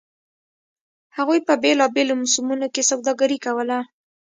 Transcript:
هغوی په بېلابېلو موسمونو کې سوداګري کوله.